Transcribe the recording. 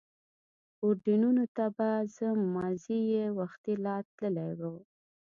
پورډېنون ته به ځم، مازې یې وختي لا تللي و.